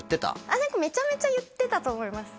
あっ何かめちゃめちゃ言ってたと思います